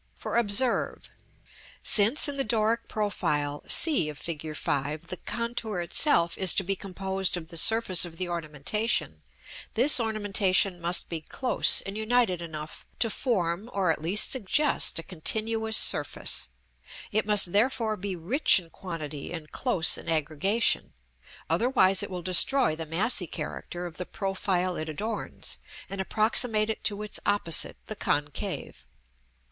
For, observe: since in the Doric profile, c of Fig. V., the contour itself is to be composed of the surface of the ornamentation, this ornamentation must be close and united enough to form, or at least suggest, a continuous surface; it must, therefore, be rich in quantity and close in aggregation; otherwise it will destroy the massy character of the profile it adorns, and approximate it to its opposite, the concave.